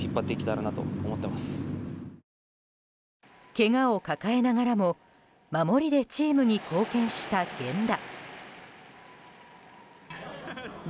けがを抱えながらも守りでチームに貢献した源田。